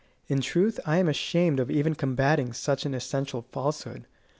In truth I am ashamed of even combating such an essential falsehood.